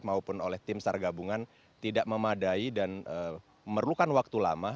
maupun oleh tim sar gabungan tidak memadai dan memerlukan waktu lama